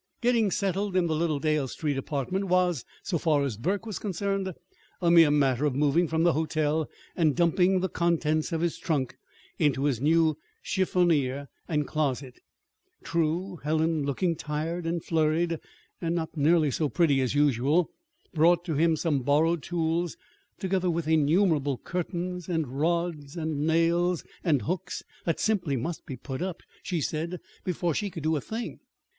Getting settled in the little Dale Street apartment was, so far as Burke was concerned, a mere matter of moving from the hotel and dumping the contents of his trunk into his new chiffonier and closet. True, Helen, looking tired and flurried (and not nearly so pretty as usual), brought to him some borrowed tools, together with innumerable curtains and rods and nails and hooks that simply must be put up, she said, before she could do a thing.